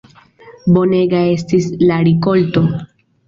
Bonega estis la rikolto.